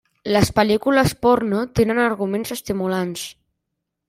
Les pel·lícules porno tenen arguments estimulants.